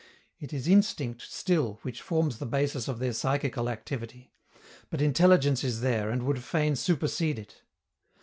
It is instinct still which forms the basis of their psychical activity; but intelligence is there, and would fain supersede it.